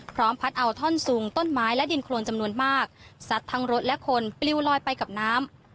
พัดเอาท่อนสูงต้นไม้และดินโครนจำนวนมากซัดทั้งรถและคนปลิวลอยไปกับน้ำ